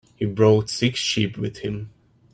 He brought six sheep with him.